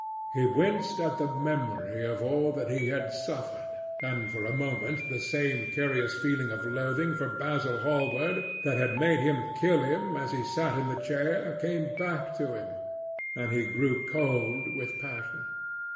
He winced at the memory of all that he had suffered, and for a moment the same curious feeling of loathing for Basil Hallward that had made him kill him as he sat in the chair came back to him, and he grew cold with passion.